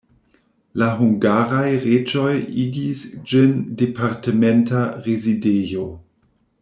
La hungaraj reĝoj igis ĝin departementa rezidejo.